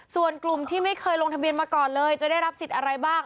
ส่วนกลุ่มที่ไม่เคยลงทะเบียนมาก่อนเลยจะได้รับสิทธิ์อะไรบ้าง